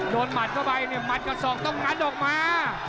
หมัดเข้าไปเนี่ยหมัดกับศอกต้องงัดออกมา